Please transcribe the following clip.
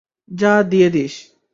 যা, দিয়ে দিস।